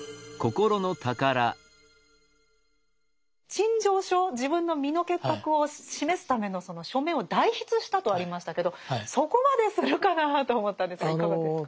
陳情書自分の身の潔白を示すためのその書面を代筆したとありましたけどそこまでするかなと思ったんですがいかがですか？